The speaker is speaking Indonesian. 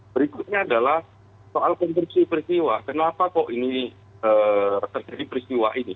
berikutnya adalah soal konstruksi peristiwa kenapa kok ini terjadi peristiwa ini